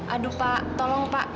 aduh pak tolong pak